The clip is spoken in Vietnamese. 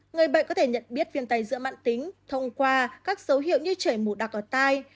người bệnh có thể nhận biết viêm tai dữa mạng tính thông qua các dấu hiệu như chảy mù đặc ở tai